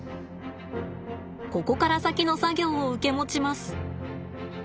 ここから先の作業を受け持ちます。